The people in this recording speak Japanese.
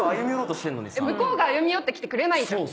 向こうが歩み寄ってきてくれないじゃん。